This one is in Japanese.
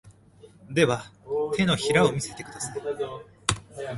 では、手のひらを見せてください。